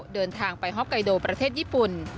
เดินทางไปฮอกไกโดประเทศญี่ปุ่น